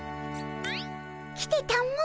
来てたも。